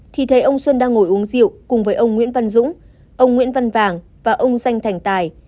thì thấy ông xuân đang ngồi uống rượu cùng với ông nguyễn văn dũng ông nguyễn văn vàng và ông danh thành tài